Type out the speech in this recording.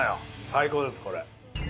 最高です、これ。